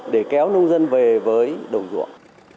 để kéo nông dân về với đồng ruộng